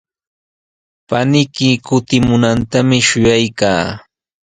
Paniyki kutimunantami shuyaykaa.